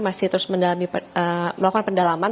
masih terus melakukan pendalaman